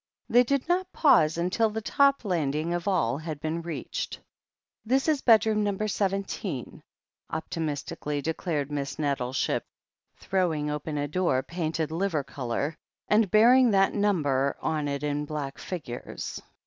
They did not pause until the top landing of all had been reached. "This is bedroom number seventeen," optimistically declared Miss Nettleship, throwing open a door painted liver colour, and bearing that number on it in black figures.